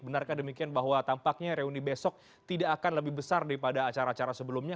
benarkah demikian bahwa tampaknya reuni besok tidak akan lebih besar daripada acara acara sebelumnya